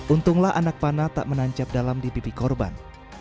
untunglah anak panah tak menancap dalam di pipi korban